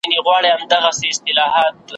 له مبارک سره یوازي مجلسونه ښيي ,